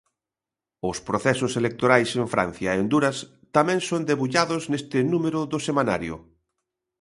Os procesos electorais en Francia e Honduras tamén son debullados neste número do semanario.